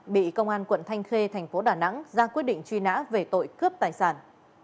bị công an quận thanh khê thành phố đà nẵng ra quyết định truy nã về tội cướp tài sản